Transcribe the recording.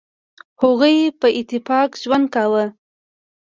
هغوی په اتفاق ژوند کاوه.